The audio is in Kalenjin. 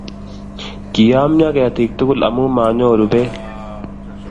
kiyamya ketik tugul amu manyoru beek